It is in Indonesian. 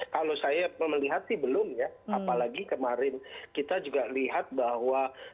kalau saya melihat sih belum ya apalagi kemarin kita juga lihat bahwa